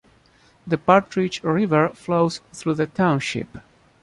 The Partridge River flows through the township.